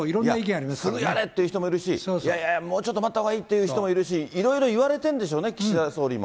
すぐやれって人もいるし、いやいや、もうちょっと待った方がいいっていう人もいるし、いろいろ言われてるんでしょうね、岸田総理も。